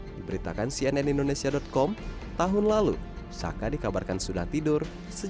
diberitakan cnn indonesia com tahun lalu saka dikabarkan sudah tidur